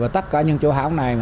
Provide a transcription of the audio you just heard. tất cả những chỗ hảo này